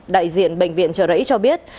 đại diện bệnh viện trợ rẫy cho biết